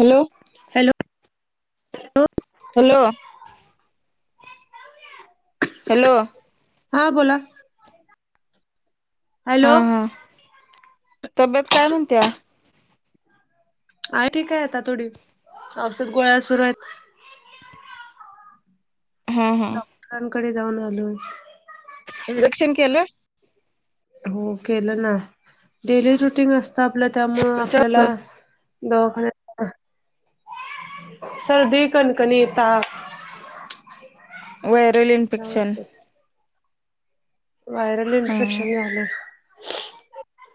Hello hello hello. Hello. हा बोला. हा हॅलो. हा तब्येत काय म्हणत्या? आहे ठीक आहे आता थोडी औषध गोळ्या सुरू आहेत. हां हां. कांकडे जाऊन आलो. इंजेक्शन केलं हो केलं ना डेली रुटीन असतं आपलं त्यामुळं कशाच आपल्याला दवाखान्यात. सर्दी, कणकनी, ताप व्हायरल इन्फेक्शन व्हायरल हा इन्फेक्शन झालं.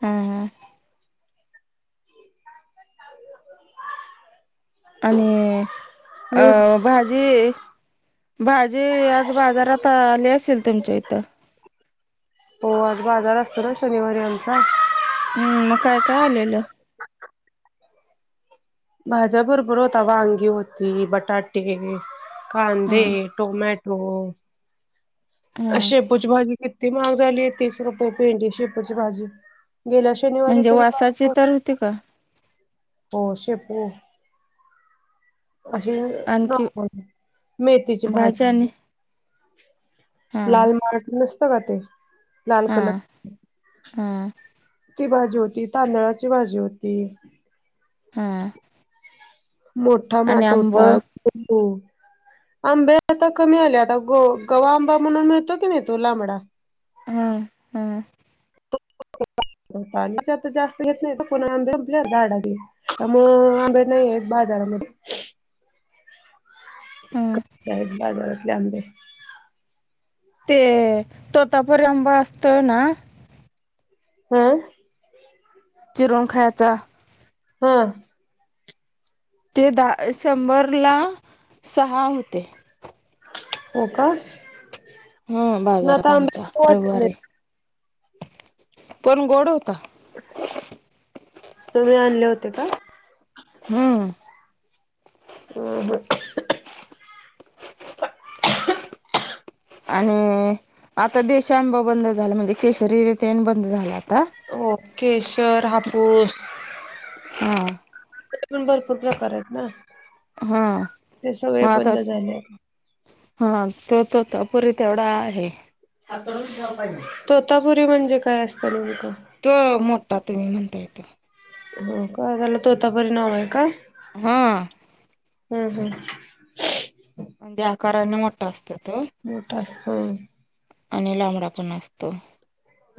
हां हां. आणि न्यूज अ भाज जे भाजी आज बाजारात आली असेल तुमच्या इथं. हो आज बाजार असतो ना शनिवारी आमचा. हम्म. मग काय काय आलेलं. भाज्या बरोबर होता. वांगी होती, बटाटे, हा कांदे. टोमॅटो हा शेपूची भाजी किती महाग झाली आहे तीस रुपये पेंडी शेपूची भाजी गेल्या शनिवारी म्हणजे तरी वासाची तर होती का हो शेपू. अशी आणखी [unintelligible] मेथीची भाजी. हा लाल मार्ट नसत का ते, लाल हा कलर च. हा ती भाजी होती तांदळाची भाजी होती. हम्म. मोठा माठ होता तो. आंबे आता कमी आले आता ग गव्हा आंबा म्हणून मिळतो की नाही तो लांबडा. हां. हा. [unintelligible] त्यामुळं आंबे नाहीये बाजारा मध्ये. हा आहेत बाजारातले आंबे. ते तोतापुरी आंबा असतोय ना. ह.. चिरून खायाचा. हा. ते दहा शंभर ला सहा होते. हो का. हो मग बाजारात आता आंबे आमच्या खाऊ वाटत रविवारी नाही पण गोड होता. तुम्ही आणले होते का. हम्म. [unintelligible] आणि आता देशीआंबा बंद झाला. म्हणजे केसरी तेन बंद झाला आता. ओकेश्वर हापूस. आ.. ते पण भरपूर प्रकार आहेत ना, हा ते सगळे मग आता बंद झाले. हा तोतापुरी तेवढा आहे. तोतापुरी म्हणजे काय असतं नेमकं. तो मोठा तुम्ही म्हणताय तो. हो का त्याला तोता नाव आहे का. ह.. ह हं. ते आकारान मोठ‌ं असतात त. मोठा हं.. आणि लांबडा पण असतो.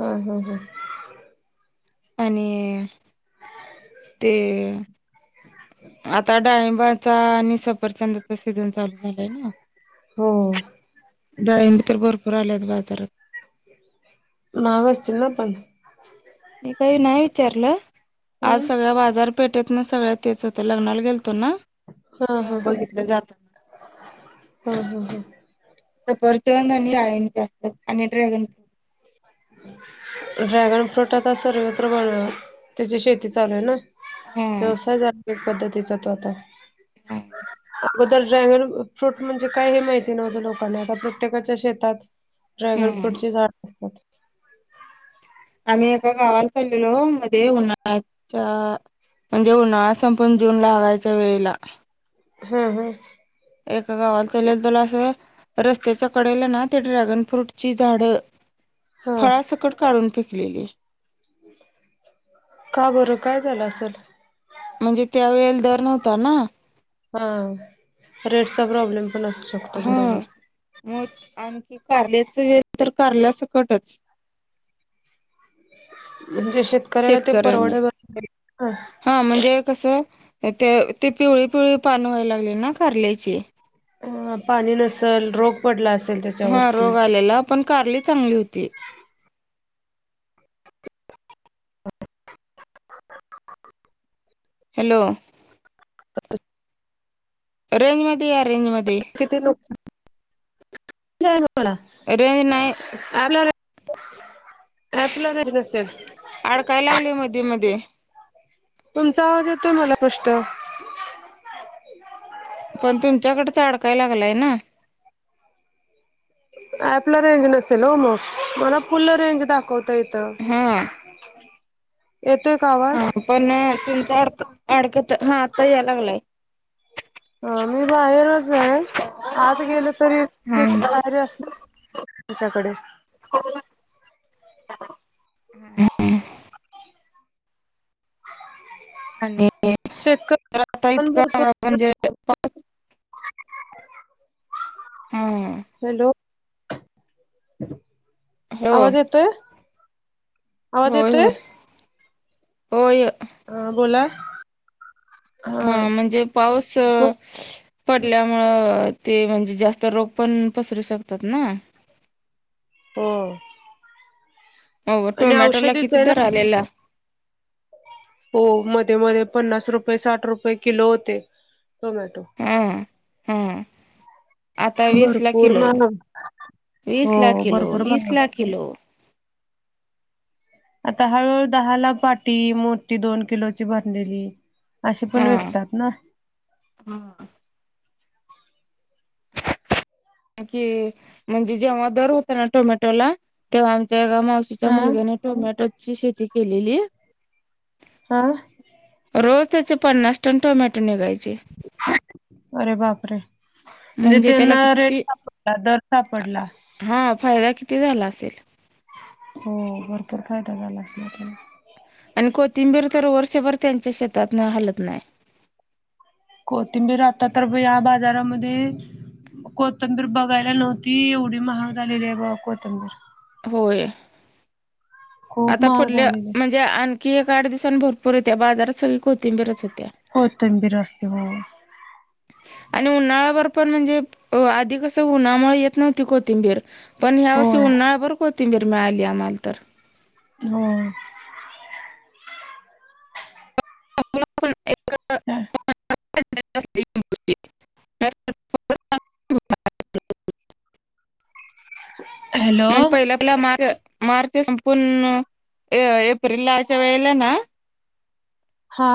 हम हम हम. आणि ते, आता डाळिंबाचा आणि सफरचंदाचा सीजन चालू झालंय ना. हो. डाळींब तर भरपूर आल्यात बाजारात. माहाग असती ना पण. तिथं नाही विचारलं आज हम्म सगळा बाजार. पेटेत ना सगळ्या तेच होतं, लग्नाला गेलतो ना. हा तेव्हा हा बघितलं जातना. हा हा हा सफरचंद आणि डाळिंबच्या असते आणि ड्रॅगन फ्रूट ड्रॅगन फ्रूट आता सर्वत्र बनत त्याची शेती चालू आहे ना. हा व्यवसाय झा [inaudible] पद्धतीचा तो आता. हां. अगोदर ड्रॅगन फ्रूट म्हणजे काय हे माहिती नव्हतं. लोकांना आता प्रत्येकाच्या शेतात. ड्रॅगन हम्म फ्रूटचे झाड असतात. आम्ही एका गावाला चालेलो मग ते उन्हाळ्याच्या. म्हणजे उन्हाळा संपून जून लागायच्या वेळेला. हम हम. एका गावाल त्याला. [unintelligible] रस्त्याच कडेला ना ते ड्रॅगन फ्रूटची झाडं हा फळा सकट काढून पेकलेली. का बरं काय झालं असल. म्हणजे त्या वेळेला दर नव्हता ना. हा रेटचा प्रॉब्लेम पण असू शकतो बरोबर. मोद आणखी कारल्याचा वेळ तर कारल्यासकटच. म्हणजे शेतकऱ्याला ते शेतकऱ्यांनी परवड. [inaudible] हा म्हणजे कसं ते ते पिवळी-पिवळी पान व्हाय लागली ना कारल्याची. आं पाणी नसेल रोग पडला असेल त्या. हा रोग आलेला पण कारली चांगली होती. हॅलो. [unintelligible] रेंज मध्ये या रेंज मध्ये. [unintelligible] रेंज नाय [unintelligible] अडकाय लावले मध्ये-मध्ये. तुमचा आवाज येतोय मला पष्ट. पण तुमच्याकडचा अडकाय लागलाय ना. ऍपलं रेंज नसेल हो म मला फुल रेंज दाखवत. त येतं हा येतोय का आवाज? पण तुमचा अडकं अडकत हा आता यायला लागलाय. आम्ही बाहेरच आहे आत गेल तरी [inaudible] हा बाहेर असलं. तिच्याकडे आणि शेतकरी तर आता पण इतका भरपूर पण जे [unintelligible] हा. हॅलो. हो आवाज येतोय आवाज होय येतोय होय होय. आं बोला. हा म्हणजे पाऊस पडल्यामुळं ते म्हणजे जास्त रोग पण पसरू शकतात ना. हो. अवं आणि टोमॅटो ला औषधीच किती आहे ना दर आलेला. हो मध्ये मध्ये पन्नास रुपये साठ रुपये किलो होते टोमॅटो. हा हा. आता वीस ला भरपूर किलो महाग हो वीस ला किलो भरपूर वीस महाग ला किलो. आता हळूहळू दहाला पाटी मोठी दोन किलोची भरलेली. अशे पण विकतात ना. हांच की म्हणजे जेव्हा दर होता ना टोमॅटो ला तेव्हा आमच्या एका मावशीच्या हा मुलग्याने टोमॅटोची शेती केलेली. हा. रोज त्याचे पन्नास टन टोमॅटो निघायचे. अरे बापरे! म्हणजे त्यांना रेट सापडला दर सापडला. हां.. फायदा किती झाला असेल. हो भरपूर कायदा झाला असला त्याला. आणि कोथिंबीर तर वर्षभर त्यांच्या शेतातन हालत नाही. कोथिंबीर आतातर बया या बाजारामध्ये कोथंबीर बघायला नव्हती, एवढी महाग झालेली आहे बघा कोथंबीर. होय. खूप आता महाग पुुढल्या झालेली आहे म्हणजे आणखी एक आठ दिवसांनी, भरपूर येत्या बाजारात सगळी कोथिंबीरच होत्या. कोथिंबीर असते हो. आणि उन्हाळ्याभर पण म्हणजे आधी कसं उन्हामुळे येत नव्हती कोथिंबीर. पण ह्या वर्षी होय उन्हाळा भर कोथिंबीर मिळाली आम्हाला तर. नो [inaudible] [inaudible] हॅल म्हणजे पहिला आपल्या मार्च मार्च संपूर्ण एप्रिलला अशा वेळेला ना हा.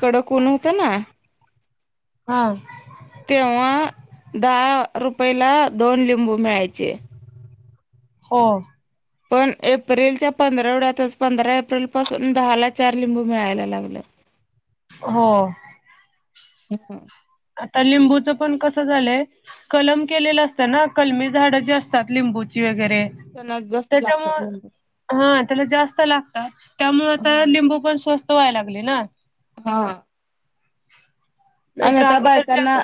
कडक ऊन हुतं ना हा तेव्हा दहा रुपयेला दोन लिंबू मिळायचे. हो. पण एप्रिलच्या पंधरवड्यातच, पंधरा एप्रिलपासून दहाला चार लिंबू मिळायला लागल्यात. [inaudible] हो. [unintelligible] आता लिंबूचं पण कसं झालंय कलम केलेलं असतं ना, कलमी झाडं जी असतात लिंबूची वगैरे त्यांनाच जस्त लागतात त्याच्यामुळं लिंबू. हा त्याला जास्त लागतात, त्यामुळे आता लिंबू पण स्वस्त व्हायला लागले ना. हा. आणि नाहीतर आता अगोदरच्या बायकांना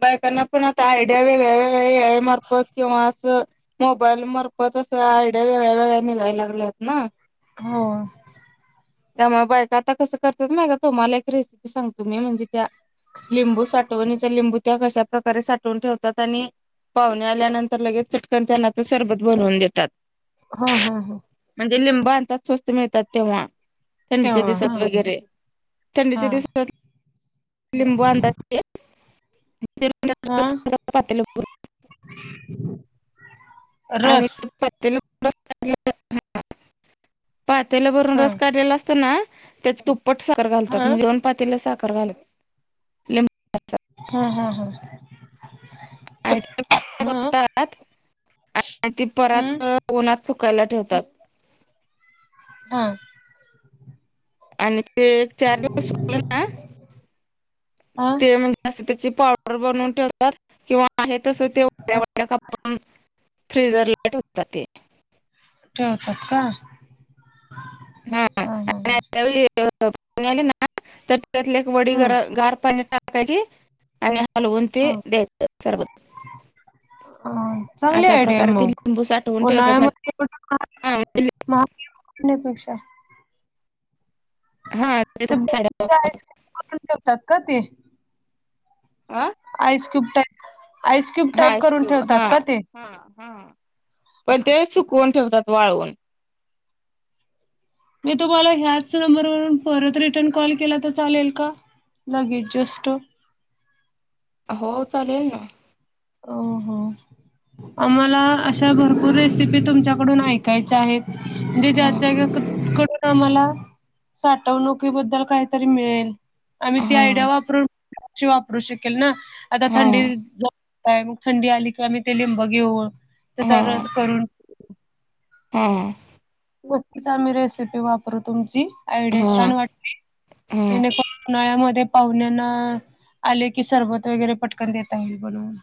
बायकांना पण आता आयडिया वेगळ्या वेगळ्या याय मार्फत किंवा असं मोबाईल मारफत असं, आयडिया वेगळ्या वेगळ्या निघायला लागल्यात ना. हो. त्यामुळं बायक आता कसं करत्यात माहिती. तुम्हाला एक रेसिपी सांगतो मी म्हणजे त्या. लिंबू साठवणीचा, लिंबू तेव्हा कशा प्रकारे साठवून ठेवतात आणि पाहुणे आल्यानंतर लगेच चटकन त्यांना ते सरबत बनवून देतात. हां हां हां. म्हणजे लिंब आणतात स्वस्त मिळतात तेव्हा? थंडीच्या तेव्हा दिवसात हा वगैरे. हा थंडीच्या दिवसात लिंबू आणतात ते हा [unintelligible] पातेलं [unintelligible] भरून आणि रस पातेलं [inaudible] पातेलं भरून हा रस काढलेला असतं ना, तेच तुप पट साखर घालतात, हा म्हणजे वन पातेल साखर घालत लिंबाचा. हम्म हम्म हम्म. आणि [unintelligible] आणि ते हम्म परात उन्हात सुकायला ठेवतात. हा. आणि ते एक चार दिवस सुकलं ना. आ ते म्हणजे त्याची पावडर बनवून ठेवतात किंवा आहे तस [unintelligible] हा फ्रीजर ठेवतात ते. ठेवतात का? हा आणि त्यावेळी ना. हा तर त्यातली एक वडी गर हम्म गार पाण्यात टाकायची. आणि हलवून ते दयायच सरबत. हम्म. चांगली अशा आइडीय आहे प्रकारे ते मग लिंबू साठवून ठेवतात मग उन्हाळ्यामध्ये हा म्हणजे [unintelligible] उठण्यापेक्षा. हा ते [unintelligible] करून ठेकतात का ते? आह. सक्यूब टाईप, आईसक्यूब टाईप करून ठेवतात हा का ते? हा हा, पण ते सुकवून ठेवतात वाळवून. मी तुम्हाला ह्याच नंबरवरून परत रिटर्न कॉल केला तर चालेल का? लगेच जस्ट. हो चालेल ना. ओ हो. आमाला अशा भरपूर रेसिपी तुमच्याकडून ऐकायच्या आहेत. दीदी हा याच्यावर कुठ कुठ. तर मला साठवणुकीबद्दल काहीतरी मिळेल. आम्ही हा ती हा आयडिया वापरून वापृषी वापरूनशी वापरू शकेल ना आता थंडी हा का मग थंडी आली किंवा म ते लिंब घेऊन, त्याचा रस करून हा. नक्कीच आम्ही रेसिपी वापरू तुमची, आयडिया हा छान वाटते हा जणेकर उनाळ्यामध्ये पाहुण्यांना, आले की सरबत वगैरे पटकन देत येईल बणून.